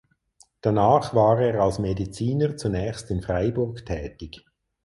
Danach war er als Mediziner zunächst in Freiburg tätig.